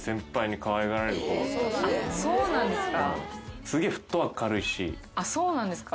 そうなんですか。